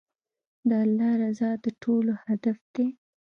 د الله رضا د ټولو هدف دی.